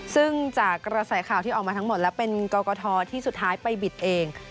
ซึ่งจากกระแสข่าวที่ออกมาทั้งหมดแล้วเป็นกรกฐที่สุดท้ายไปบิดเอง